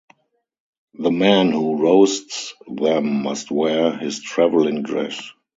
The man who roasts them must wear his travelling dress.